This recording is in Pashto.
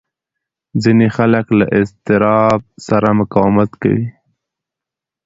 ځینې خلک له اضطراب سره مقاومت کوي.